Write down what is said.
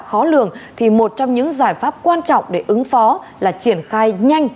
khó lường thì một trong những giải pháp quan trọng để ứng phó là triển khai nhanh